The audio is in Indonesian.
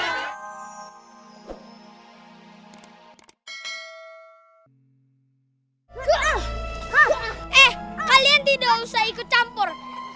eh kalian tidak usah ikut campur